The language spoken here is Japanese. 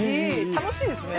楽しいですね。